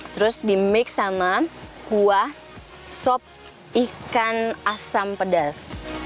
terus di mix sama kuah sop ikan asam pedas